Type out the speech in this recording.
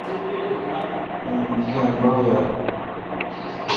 گین بب اؘ۔